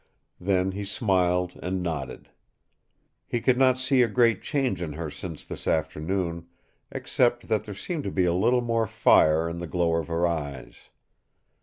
Then he smiled and nodded. He could not see a great change in her since this afternoon, except that there seemed to be a little more fire in the glow of her eyes.